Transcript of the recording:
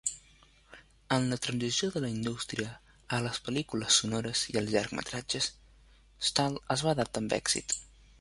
En la transició de la indústria a les pel·lícules sonores i els llargmetratges, Stahl es va adaptar amb èxit.